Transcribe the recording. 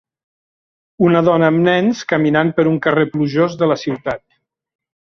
Una dona amb nens caminant per un carrer plujós de la ciutat